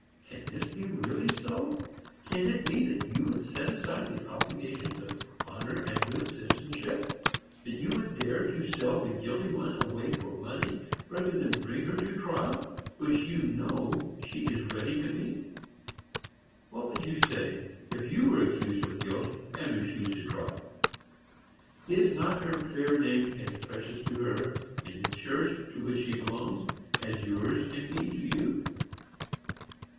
Can this be really so? Can it be that you would set aside the obligations of honor and good citizenship,—that you would dare to sell the guilty one away for money, rather than bring her to trial, which you know she is ready to meet? What would you say, if you were accused of guilt, and refused a trial? Is not her fair name as precious to her, in the church to which she belongs, as yours can be to you?